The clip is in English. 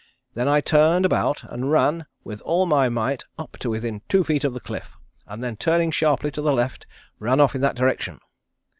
Then I turned about and ran with all my might up to within two feet of the cliff, and then turning sharply to the left ran off in that direction.